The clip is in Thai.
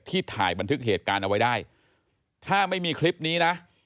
ถ่ายบันทึกเหตุการณ์เอาไว้ได้ถ้าไม่มีคลิปนี้นะ